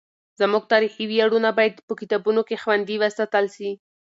زموږ تاریخي ویاړونه باید په کتابونو کې خوندي وساتل سي.